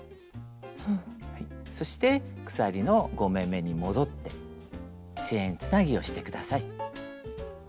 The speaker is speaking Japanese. そして鎖の５目めに戻ってチェーンつなぎをして下さい。